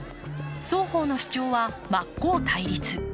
双方の主張は真っ向対立。